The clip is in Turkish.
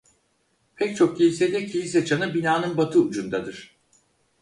Pek çok kilisede kilise çanı binanın batı ucundadır.